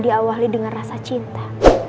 diawali dengan rasa cinta